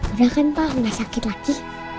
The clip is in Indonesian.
udah kan pak gak sakit lagi